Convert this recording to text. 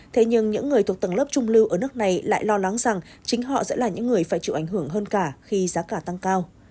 thế nhưng những người thuộc tầng lớp trung lưu ở nước này lại lo lắng rằng chính họ sẽ là những người phải chịu ảnh hưởng hơn cả khi giá cả tăng cao